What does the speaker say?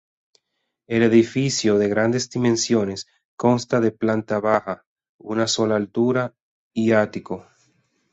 El edificio, de grandes dimensiones, consta de planta baja, una sola altura y ático.